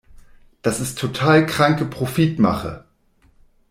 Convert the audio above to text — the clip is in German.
Das ist total kranke Profitmache!